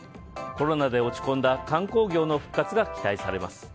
コロナで落ち込んだ観光業の復活が期待されます。